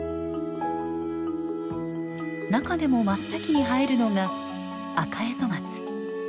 中でも真っ先に生えるのがアカエゾマツ。